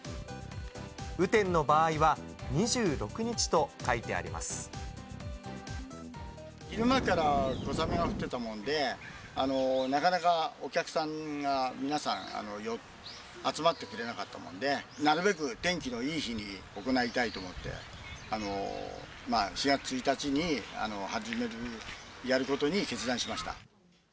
雨天の場合は、２６日と書いてあ昼間から小雨が降ってたもんで、なかなかお客さんが皆さん、集まってくれなかったもんで、なるべく天気のいい日に行いたいので、４月１日に始める、やることに決断しました。